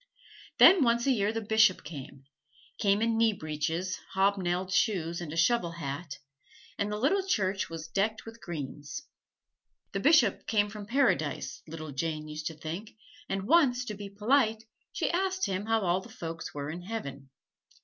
Then once a year the Bishop came came in knee breeches, hobnailed shoes, and shovel hat, and the little church was decked with greens. The Bishop came from Paradise, little Jane used to think, and once, to be polite, she asked him how all the folks were in Heaven.